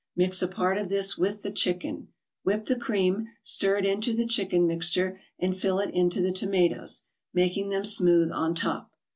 Mix a part of this with the chicken. Whip the cream, stir it into the chicken mixture, and fill it into the tomatoes, making them smooth on top.